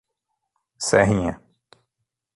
Serrinha